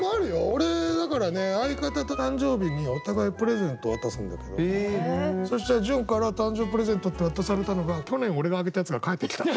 俺だからね相方と誕生日にお互いプレゼントを渡すんだけどそしたら潤から誕生日プレゼントって渡されたのが去年俺があげたやつが返ってきた。